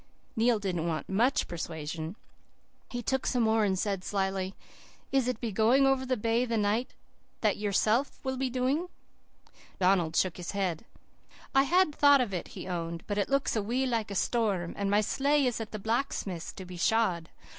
"Neil didn't want MUCH persuasion. He took some more, and said slyly, "'Is it going over the bay the night that yourself will be doing?' "Donald shook his head. "'I had thought of it,' he owned, 'but it looks a wee like a storm, and my sleigh is at the blacksmith's to be shod.